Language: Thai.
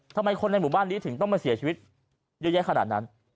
ทำไมคนในหมู่บ้านนี้ถึงต้องมาเสียชีวิตเยอะแยะขนาดนั้น